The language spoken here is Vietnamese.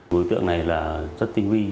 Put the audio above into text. đối tượng này là rất tinh huy